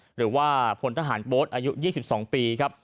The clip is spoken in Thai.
หรือว่าพลทหารโบสต์อายุ๒๒ปี